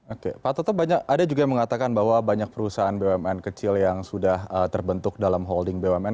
oke pak toto ada juga yang mengatakan bahwa banyak perusahaan bumn kecil yang sudah terbentuk dalam holding bumn